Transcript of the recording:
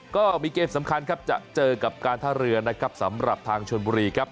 ก็มีเกมสำคัญครับจะเจอกับการท่าเรือนะครับสำหรับทางชนบุรีครับ